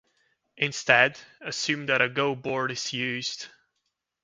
Instead, assume that a Go board is used.